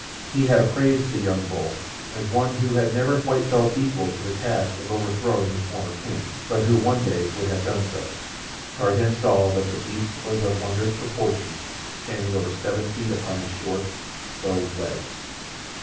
He had appraised the young bull as one who had never quite felt equal to the task of overthrowing his former king, but who one day would have done so. Tarzan saw that the beast was of wondrous proportions, standing over seven feet upon his short, bowed legs.